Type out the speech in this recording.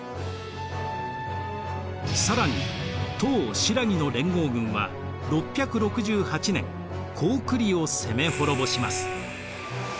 更に唐・新羅の連合軍は６６８年高句麗を攻め滅ぼします。